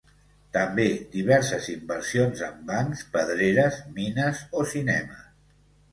També diverses inversions en bancs, pedreres, mines o cinemes.